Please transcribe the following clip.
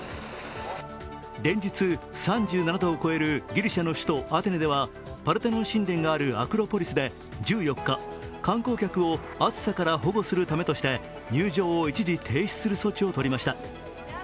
連日３７度を超えるギリシャの首都アテネでは、パルテノン神殿があるアクロポリスで１４日、観光客を暑さから保護するためとして、入場を一時停止する措置をとりました。